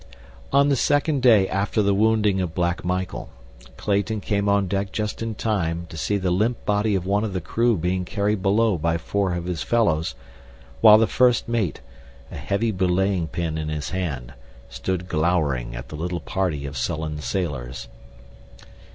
On the second day after the wounding of Black Michael, Clayton came on deck just in time to see the limp body of one of the crew being carried below by four of his fellows while the first mate, a heavy belaying pin in his hand, stood glowering at the little party of sullen sailors.